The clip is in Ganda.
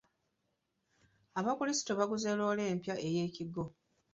Abakulisitu baaguze loole empya eyekigo.